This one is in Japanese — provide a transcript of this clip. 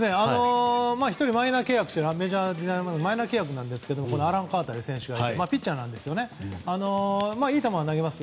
１人マイナー契約なんですがアラン・カーター選手というピッチャーなんですがいい球は投げます。